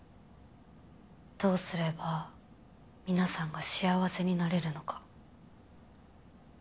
どうすればみなさんが幸せになれるのか。